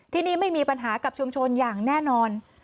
ที่นี่ไม่มีปัญหากับชุมชนอย่างแน่นอน